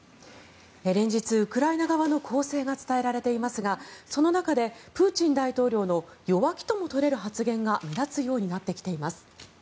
連日、ウクライナ側の攻勢が伝えられていますがその中でプーチン大統領の弱気とも取れる発言が目立つようになってきています。